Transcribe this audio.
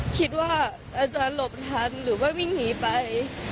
อาจารย์หลบทันหรือว่าวิ่งหนีไป